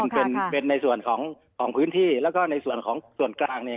เป็นในส่วนของพื้นที่แล้วก็ในส่วนของส่วนกลางเนี่ย